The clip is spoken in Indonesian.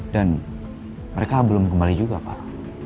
dan mereka belum kembali juga pak